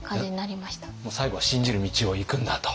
もう最後は信じる道を行くんだと。